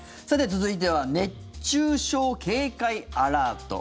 続いては熱中症警戒アラート。